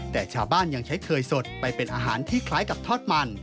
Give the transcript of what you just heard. แต่ชาวบ้านยังใช้เคยสดไปเป็นอาหารที่คล้ายกับทอดมัน